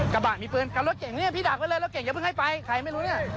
ใครไม่รู้นี่